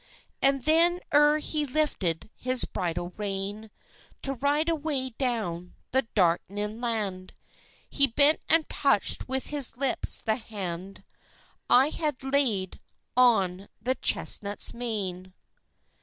And then, ere he lifted his bridle rein To ride away down the dark'ning land, He bent and touched with his lips the hand I had laid on the chestnut's mane.